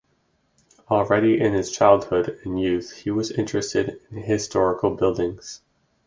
Already in his childhood and youth he was interested in historical buildings.